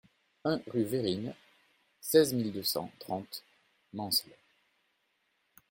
un rue Vérines, seize mille deux cent trente Mansle